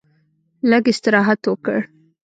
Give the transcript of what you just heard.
لږ استراحت وکړ.